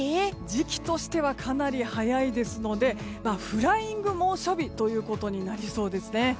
時期としてはかなり早いのでフライング猛暑日ということになりそうですね。